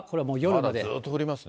まだずっと降りますね。